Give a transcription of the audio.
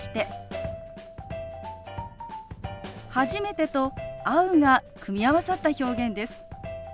「初めて」と「会う」が組み合わさった表現です。